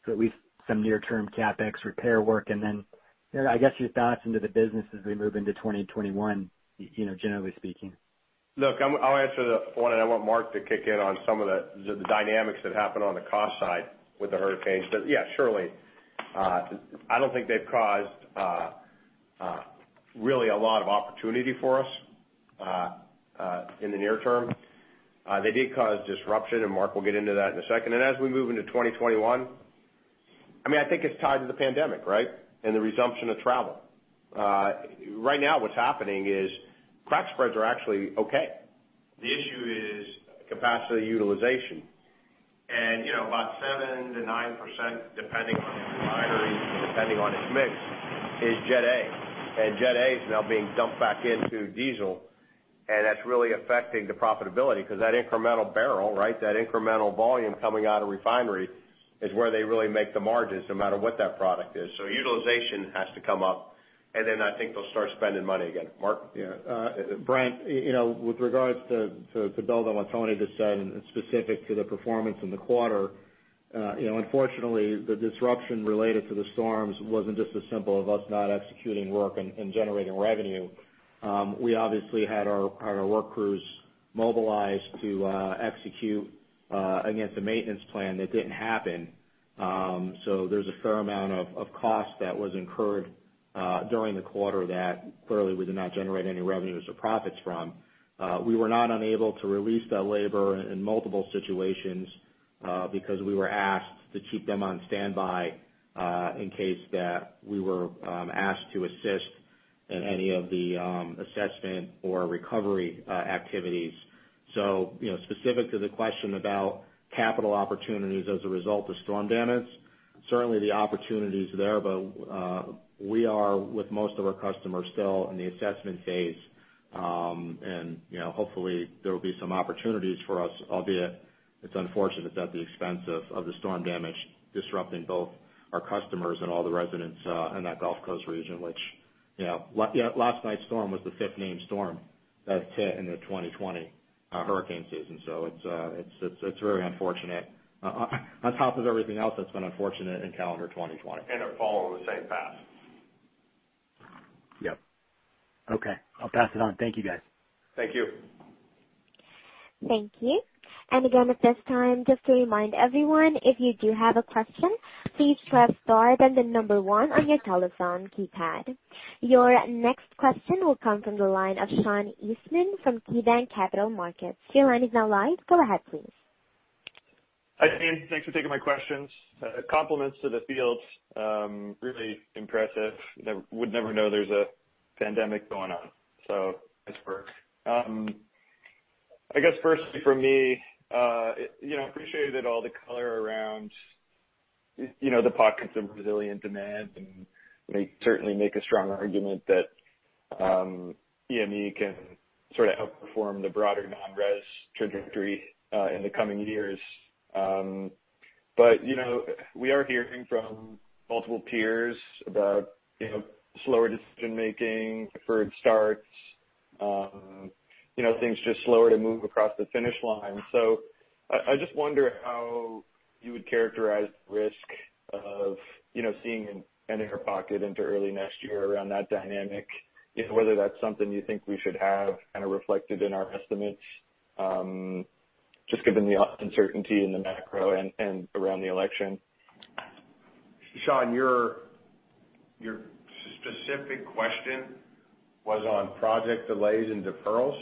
at least some near-term CapEx repair work. Then I guess your thoughts into the business as we move into 2021, generally speaking. Look, I'll answer the one, and I want Mark to kick in on some of the dynamics that happened on the cost side with the hurricanes. Yeah, surely. I don't think they've caused really a lot of opportunity for us in the near term. They did cause disruption, Mark will get into that in a second. As we move into 2021, I think it's tied to the pandemic, right, and the resumption of travel. Right now what's happening is crack spreads are actually okay. The issue is capacity utilization and, you know, about 7% to 9%, depending on the refinery, and depending on its mix, is Jet A. Jet A is now being dumped back into diesel, and that's really affecting the profitability because that incremental barrel, right, that incremental volume coming out of refinery is where they really make the margins no matter what that product is. Utilization has to come up, and then I think they'll start spending money again. Mark? Yeah. Brent, with regards to build on what Tony just said and specific to the performance in the quarter, unfortunately the disruption related to the storms wasn't just as simple of us not executing work and generating revenue. We obviously had our work crews mobilized to execute against a maintenance plan that didn't happen. There's a fair amount of cost that was incurred during the quarter that clearly we did not generate any revenues or profits from. We were not unable to release that labor in multiple situations because we were asked to keep them on standby in case that we were asked to assist in any of the assessment or recovery activities. Specific to the question about capital opportunities as a result of storm damage, certainly the opportunity is there, but we are with most of our customers still in the assessment phase. Hopefully there will be some opportunities for us, albeit it's unfortunate it's at the expense of the storm damage disrupting both our customers and all the residents in that Gulf Coast region, which, you know, last night's storm was the fifth named storm that's hit in the 2020 hurricane season. It's very unfortunate. On top of everything else that's been unfortunate in calendar 2020. It followed the same path. Yep. Okay, I'll pass it on. Thank you, guys. Thank you. Thank you. Again, at this time, just to remind everyone, if you do have a question, please press star, then the number one on your telephone keypad. Your next question will come from the line of Sean Eastman from KeyBanc Capital Markets. Your line is now live. Go ahead, please. Hi, team. Thanks for taking my questions, and compliments to the field, really impressive, would never know there's a pandemic going on. Nice work. I guess firstly for me, I appreciated all the color around, you know, the pockets of resilient demand and certainly make a strong argument that EME can sort of outperform the broader non-res trajectory in the coming years. We are hearing from multiple peers about slower decision-making, deferred starts, you know, things just slower to move across the finish line. I just wonder how you would characterize the risk of seeing an air pocket into early next year around that dynamic, whether that's something you think we should have kind of reflected in our estimates, just given the uncertainty in the macro and around the election. Sean, your specific question was on project delays and deferrals?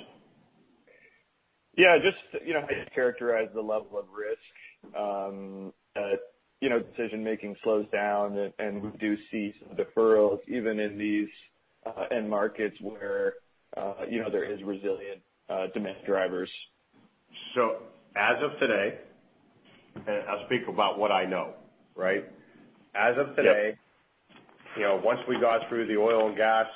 Just how you characterize the level of risk that decision-making slows down and we do see some deferrals even in these end markets where there is resilient demand drivers. As of today, and I'll speak about what I know, right? As of today, once we got through the oil and gas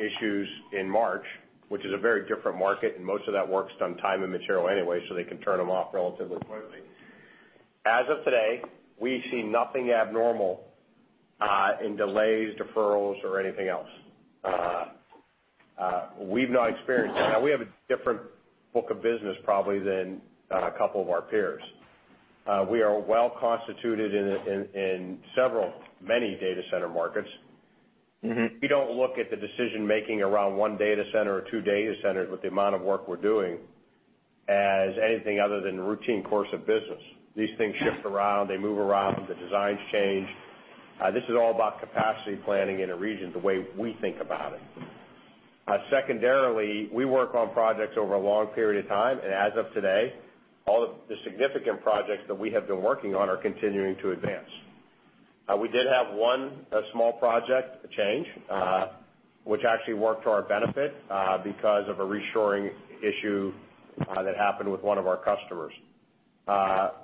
issues in March, which is a very different market, and most of that work's done time and material anyway, so they can turn them off relatively quickly. As of today, we see nothing abnormal in delays, deferrals, or anything else. We've not experienced that. Now we have a different book of business probably than a couple of our peers. We are well constituted in several, many data center markets. We don't look at the decision-making around one data center or two data centers with the amount of work we're doing as anything other than routine course of business. These things shift around, they move around, the designs change. This is all about capacity planning in a region, the way we think about it. Secondarily, we work on projects over a long period of time, and as of today, all of the significant projects that we have been working on are continuing to advance. We did have one small project change, which actually worked to our benefit, because of a reshoring issue that happened with one of our customers.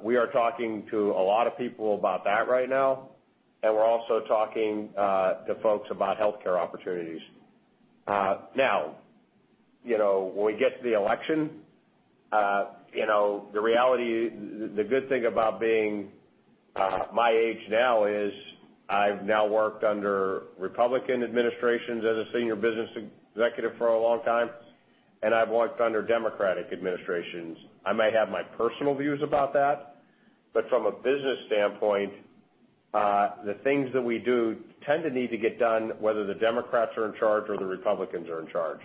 We are talking to a lot of people about that right now, and we're also talking to folks about healthcare opportunities. Now, when we get to the election, you know, the reality, the good thing about being my age now is I've now worked under Republican administrations as a senior business executive for a long time, and I've worked under Democratic administrations. I might have my personal views about that, but from a business standpoint, the things that we do tend to need to get done, whether the Democrats are in charge or the Republicans are in charge.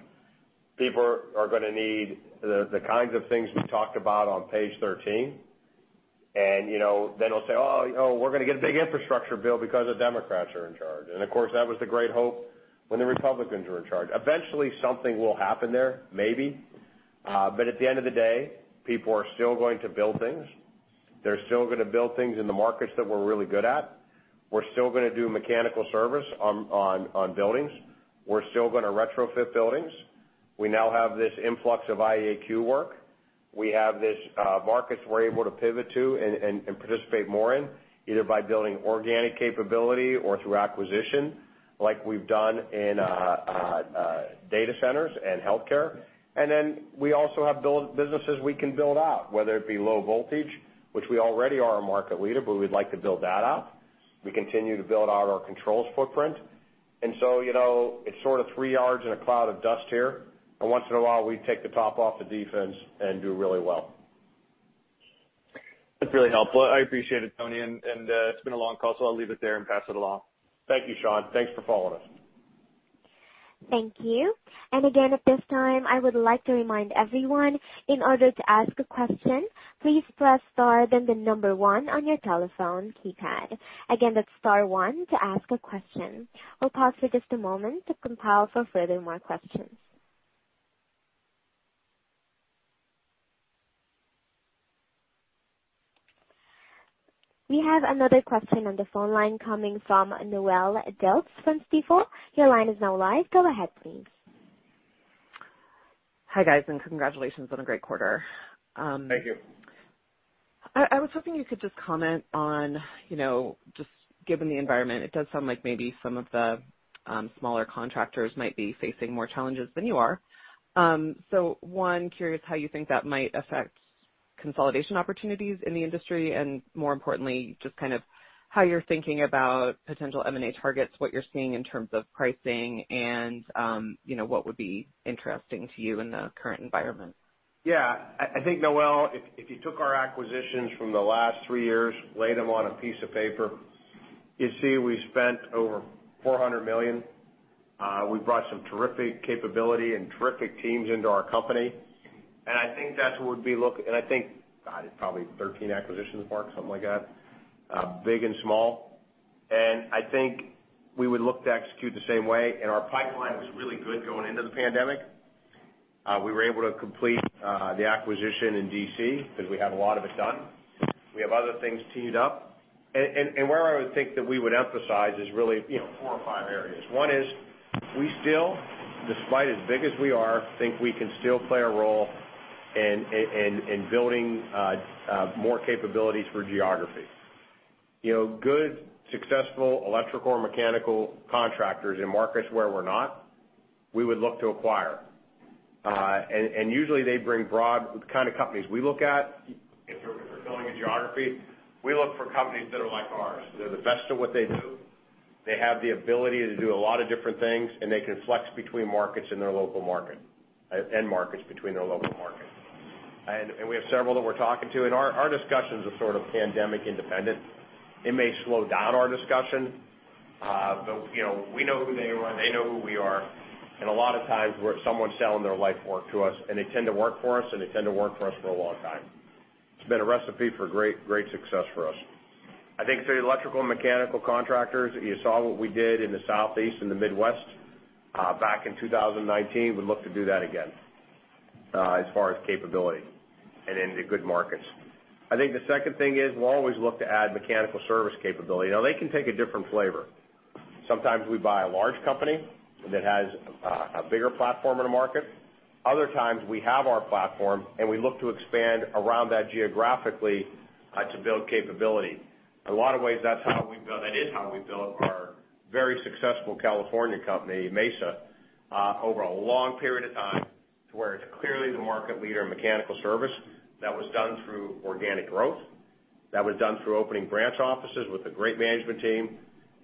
People are going to need the kinds of things we talked about on page 13. Then they'll say, "Oh, we're going to get a big infrastructure bill because the Democrats are in charge." Of course, that was the great hope when the Republicans were in charge. Eventually, something will happen there, maybe. At the end of the day, people are still going to build things. They're still going to build things in the markets that we're really good at. We're still going to do mechanical service on buildings. We're still going to retrofit buildings. We now have this influx of IAQ work. We have these markets we're able to pivot to and participate more in, either by building organic capability or through acquisition like we've done in data centers and healthcare. We also have businesses we can build out, whether it be low voltage, which we already are a market leader, but we'd like to build that out. We continue to build out our controls footprint. It's sort of three yards in a cloud of dust here, and once in a while, we take the top off the defense and do really well. That's really helpful. I appreciate it, Tony. It's been a long call, so I'll leave it there and pass it along. Thank you, Sean. Thanks for following us. Thank you. Again, at this time, I would like to remind everyone, in order to ask a question, please press star, then the number one on your telephone keypad. Again, that's star one to ask a question. We'll pause for just a moment to compile for further more questions. We have another question on the phone line coming from Noelle Dilts from Stifel. Your line is now live. Go ahead, please. Hi, guys, and congratulations on a great quarter. Thank you. I was hoping you could just comment on, you know, just given the environment, it does sound like maybe some of the smaller contractors might be facing more challenges than you are. One, curious how you think that might affect consolidation opportunities in the industry, and more importantly, just how you're thinking about potential M&A targets, what you're seeing in terms of pricing and what would be interesting to you in the current environment. Yeah. I think, Noelle, if you took our acquisitions from the last three years, laid them on a piece of paper, you'd see we spent over $400 million. We brought some terrific capability and terrific teams into our company, and I think that's what we'd be looking. I think, God, it's probably 13 acquisitions, Mark, something like that, big and small. I think we would look to execute the same way, and our pipeline was really good going into the pandemic. We were able to complete the acquisition in D.C. because we had a lot of it done. We have other things teed up, and where I would think that we would emphasize is really, you know, four or five areas. One is we still, despite as big as we are, think we can still play a role in building more capabilities for geography. Good, successful electrical or mechanical contractors in markets where we're not, we would look to acquire, and usually they bring broad kind of companies. We look at, if we're filling a geography, we look for companies that are like ours. They're the best at what they do. They have the ability to do a lot of different things, and they can flex between markets in their local market, end markets between their local market. We have several that we're talking to, and our discussions are sort of pandemic independent. It may slow down our discussion. We know who they are, and they know who we are. A lot of times where someone's selling their life work to us, and they tend to work for us for a long time. It's been a recipe for great success for us. I think for the electrical and mechanical contractors, you saw what we did in the Southeast and the Midwest, back in 2019. We'd look to do that again, as far as capability and into good markets. I think the second thing is we'll always look to add mechanical service capability. Now, they can take a different flavor. Sometimes we buy a large company that has a bigger platform in a market. Other times, we have our platform, and we look to expand around that geographically, to build capability. In a lot of ways, that is how we built our very successful California company, Mesa, over a long period of time to where it's clearly the market leader in mechanical service. That was done through organic growth. That was done through opening branch offices with a great management team,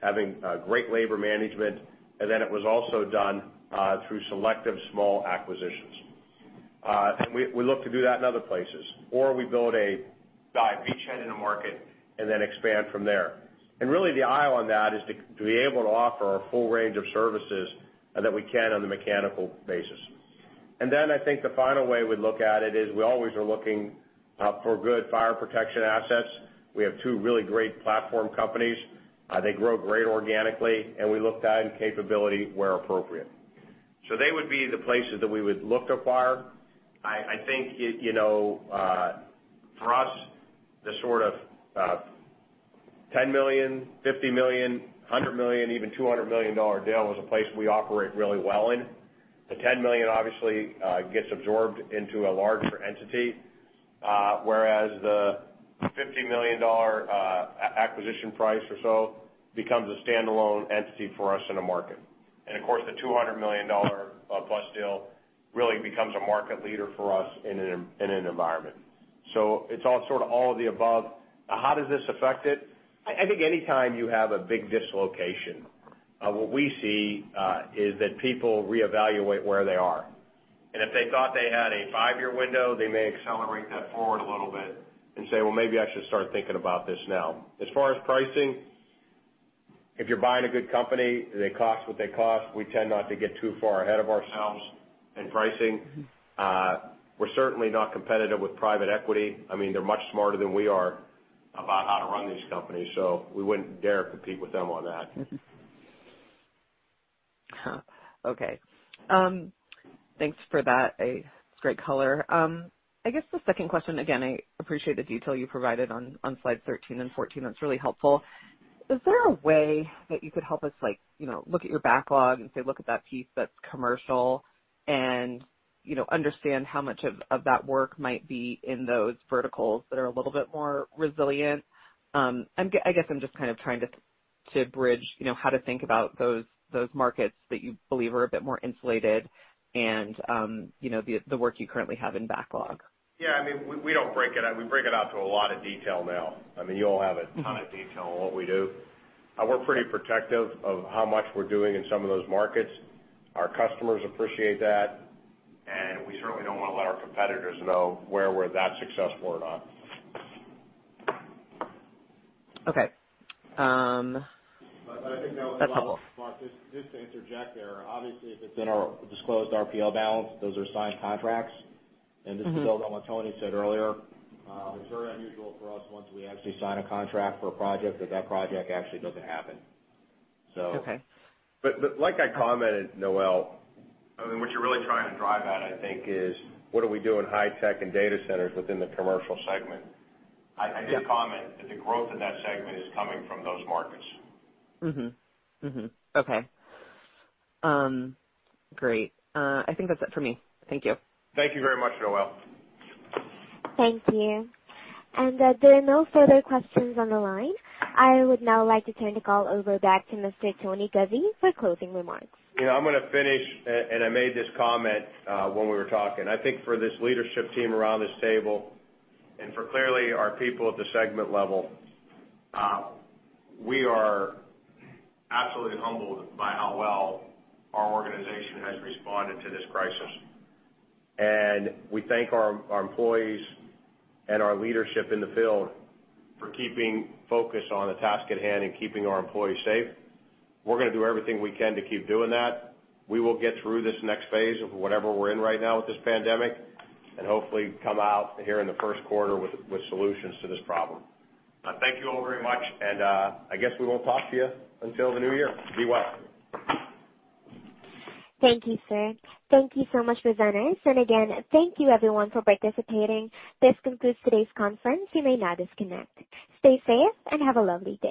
having great labor management, then it was also done through selective small acquisitions. We look to do that in other places. We build a beachhead in a market and then expand from there. Really the eye on that is to be able to offer our full range of services that we can on the mechanical basis. I think the final way we'd look at it is we always are looking for good fire protection assets. We have two really great platform companies. They grow great organically, and we look to add in capability where appropriate. They would be the places that we would look to acquire. I think, for us, the sort of $10 million, $50 million, $100 million, even $200 million deal is a place we operate really well in. The $10 million obviously gets absorbed into a larger entity, whereas the $50 million acquisition price or so becomes a standalone entity for us in a market. Of course, the $200 million-plus deal really becomes a market leader for us in an environment. It's sort of all of the above. Now how does this affect it? I think anytime you have a big dislocation, what we see is that people reevaluate where they are. If they thought they had a five-year window, they may accelerate that forward a little bit and say, "Well, maybe I should start thinking about this now." As far as pricing, if you're buying a good company, they cost what they cost. We tend not to get too far ahead of ourselves in pricing. We're certainly not competitive with private equity. I mean, they're much smarter than we are about how to run these companies, so we wouldn't dare compete with them on that. Okay, thanks for that, a great color. I guess the second question, again, I appreciate the detail you provided on slides 13 and 14. That's really helpful. Is there a way that you could help us look at your backlog and say, look at that piece that's commercial and understand how much of that work might be in those verticals that are a little bit more resilient? I guess I'm just kind of trying to bridge how to think about those markets that you believe are a bit more insulated and the work you currently have in backlog. Yeah. I mean, we break it out to a lot of detail now. I mean, you all have a ton of detail on what we do. We're pretty protective of how much we're doing in some of those markets. Our customers appreciate that, and we certainly don't want to let our competitors know where we're that successful or not. Okay, that's helpful. I think, Noelle and Mark, just to interject there. Obviously, if it's in our disclosed RPO balance, those are signed contracts, and just to build on what Tony said earlier, it's very unusual for us once we actually sign a contract for a project that that project actually doesn't happen. Okay. Like I commented, Noelle, I mean, what you're really trying to drive at, I think, is what do we do in high-tech and data centers within the commercial segment? Yeah. I did comment that the growth in that segment is coming from those markets. Okay, great, I think that's it for me. Thank you. Thank you very much, Noelle. Thank you. There are no further questions on the line. I would now like to turn the call over back to Mr. Tony Guzzi for closing remarks. I'm going to finish, and I made this comment when we were talking. I think for this leadership team around this table and for clearly our people at the segment level, we are absolutely humbled by how well our organization has responded to this crisis. We thank our employees and our leadership in the field for keeping focus on the task at hand and keeping our employees safe. We're going to do everything we can to keep doing that. We will get through this next phase of whatever we're in right now with this pandemic and hopefully come out here in the first quarter with solutions to this problem. Thank you all very much, and I guess we won't talk to you until the new year. Be well. Thank you, sir. Thank you so much, listeners. Again, thank you everyone for participating. This concludes today's conference. You may now disconnect. Stay safe and have a lovely day.